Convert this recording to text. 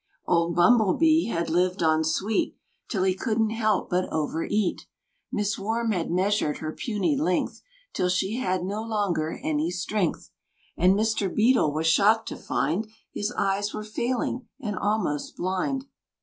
Old Bumble Bee had lived on sweet Till he couldn't help but overeat; Miss Worm had measured her puny length Till she had no longer any strength; And Mr. Beetle was shocked to find His eyes were failing and almost blind.